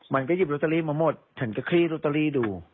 มันก็หยิบลอตเตอรี่มาหมดฉันก็คลี่ลอตเตอรี่ดู